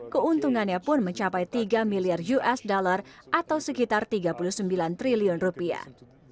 keuntungannya pun mencapai tiga miliar usd atau sekitar tiga puluh sembilan triliun rupiah